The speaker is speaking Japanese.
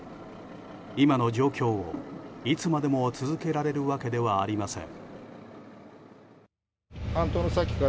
今の状況をいつまでも続けられるわけではありません。